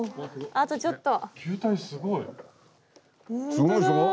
すごいでしょ。